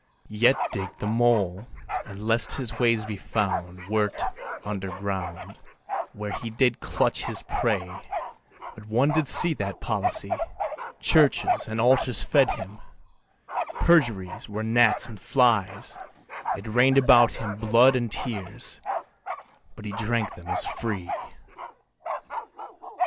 Yet digg'd the mole, and lest his ways be found Work'd under ground, Where he did clutch his prey, but one did see That policy, Churches and altars fed him, perjuries Were gnats and flies, It rain'd about him blood and tears, but he Drank them as free.